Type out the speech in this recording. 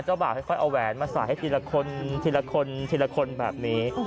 เจ้าบ่าวค่อยเอาแวนมาสระให้ทีละคนแบบนี้